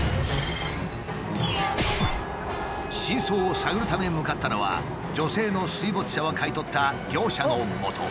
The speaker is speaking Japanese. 真相を探るため向かったのは女性の水没車を買い取った業者のもと。